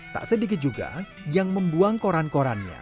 tak sedikit juga yang membuang koran korannya